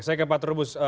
saya ke pak terubus